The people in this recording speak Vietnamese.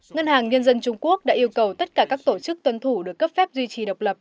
ngân hàng nhân dân trung quốc đã yêu cầu tất cả các tổ chức tuân thủ được cấp phép duy trì độc lập